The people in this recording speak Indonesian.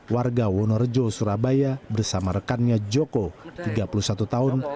warga wonorejo surabaya bersama rekannya joko tiga puluh satu tahun